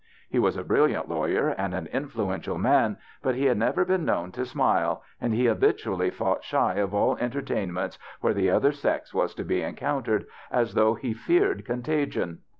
He was a brilliant lawyer and an influential man, but he had never been known to smile, and he habitually fought shy of all entertain ments where the other sex was to be encoun tered, as though he feared contagion.